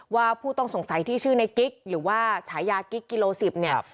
ผู้ต้องสงสัยที่ชื่อในกิ๊กหรือว่าฉายากิ๊กกิโลสิบเนี่ย